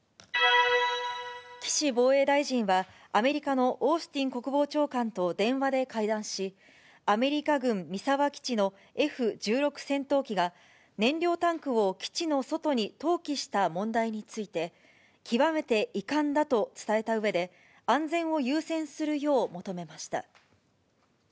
岸防衛大臣は、アメリカのオースティン国防長官と電話で会談し、アメリカ軍三沢基地のＦ１６戦闘機が、燃料タンクを基地の外に投棄した問題について、極めて遺憾だと伝えたうえで、安全を優先するよう求めました。